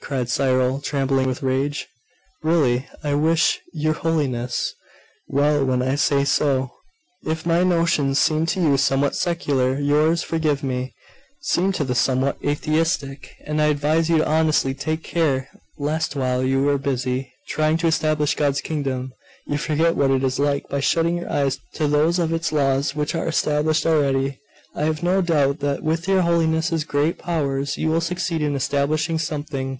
cried Cyril, trembling with rage. 'Really I wish your Holiness well when I say so. If my notions seem to you somewhat secular, yours forgive me seem to the somewhat atheistic; and I advise you honestly to take care lest while you are busy trying to establish God's kingdom, you forget what it is like, by shutting your eyes to those of its laws which are established already. I have no doubt that with your Holiness's great powers you will succeed in establishing something.